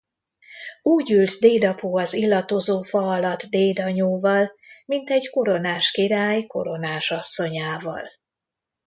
Úgy ült dédapó az illatozó fa alatt dédanyóval, mint egy koronás király koronás asszonyával.